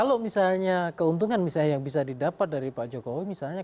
kalau misalnya keuntungan misalnya yang bisa didapat dari pak jokowi misalnya